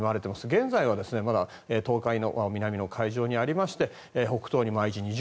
現在はまだ東海の南の海上にありまして北東に毎時２０ｋｍ。